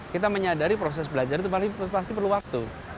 kita menyadari proses belajar itu pasti perlu waktu